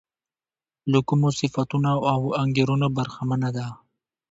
له کومو صفتونو او انګېرنو برخمنه ده.